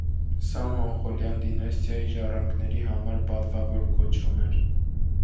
Սա մոնղոլյան դինաստիայի ժառանգների համար պատվավոր կոչում էր։